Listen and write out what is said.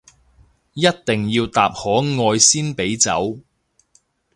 一定要答可愛先俾走